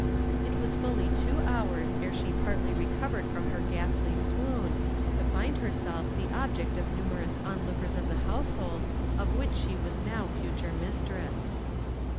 It was fully two hours ere she partly recovered from her ghastly swoon, to find herself the object of numerous onlookers of the household of which she was now future mistress.